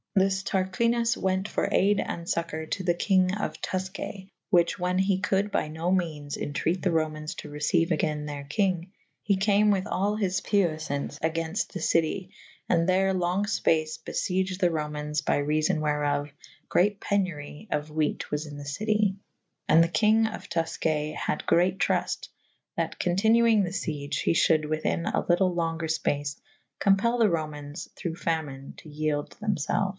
This Tarquinus wente for ayde and focour to the kynge of Tufcaye / which wha« he could by no menes entreat the Romains to receiue agayn their kynge /he cam with all his puyflaunce agaynft the citye / and there longe fpace bei'ieged the Romaynes by realbn wherot , great penury of whete was in the citye / and the kynge of Tufcay hadde great trufte / that continuynge the siege / he I'hulde within a lytel lenger Ipace compell the Romaynes through famine to yelde them felfe.